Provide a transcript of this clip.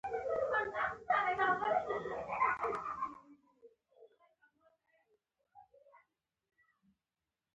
دا هېواد دولس ولایتونه او یوه خپلواکه سیمه لري.